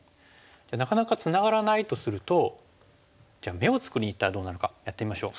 なかなかツナがらないとするとじゃあ眼を作りにいったらどうなるかやってみましょう。